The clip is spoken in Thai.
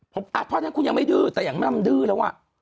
เพราะฉะนั้นคุณยังไม่ดื้อแต่อย่างแม่มดื้อแล้วอ่ะ